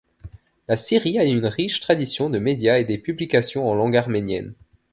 La Syrie a une riche tradition de médias et des publications en langue arménienne.